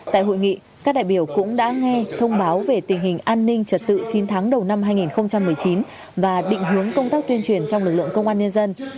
tại hội nghị các đại biểu cũng đã nghe thông báo về tình hình an ninh trật tự chín tháng đầu năm hai nghìn một mươi chín và định hướng công tác tuyên truyền trong lực lượng công an nhân dân